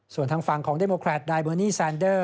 ส่วนทางฝั่งของเดโมแครตนายเบอร์นี่แซนเดอร์